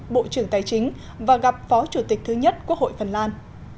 bộ trưởng tài chính và gặp phó chủ tịch thứ nhất quốc hội phần lan